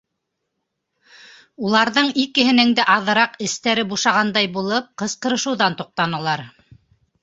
Уларҙың икеһенең дә аҙыраҡ эҫтәре бушағандай булып, ҡысҡырышыуҙан туҡтанылар.